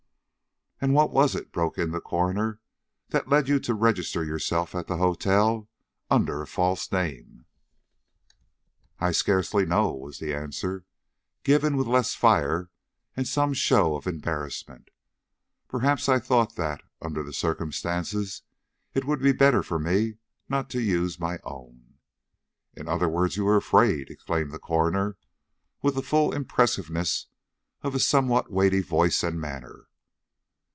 "And what was it," broke in the coroner, "that led you to register yourself at the hotel under a false name?" "I scarcely know," was the answer, given with less fire and some show of embarrassment. "Perhaps I thought that, under the circumstances, it would be better for me not to use my own." "In other words, you were afraid?" exclaimed the coroner, with the full impressiveness of his somewhat weighty voice and manner.